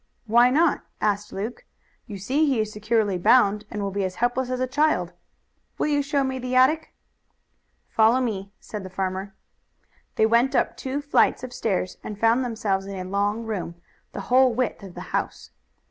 "Why not?" asked Luke. "You see he is securely bound and will be as helpless as a child. Will you show me the attic?" "Follow me," said the farmer. They went up two flights of stairs and found themselves in a long room, the whole width of the house.